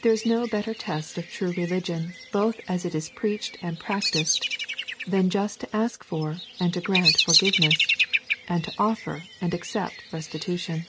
There is no better test of true religion both as it is preached and practised than just to ask for and to grant forgiveness, and to offer and accept restitution.